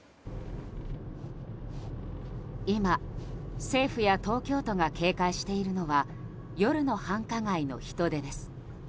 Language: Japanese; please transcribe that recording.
今、政府や東京都が警戒しているのは夜の繁華街の人出です。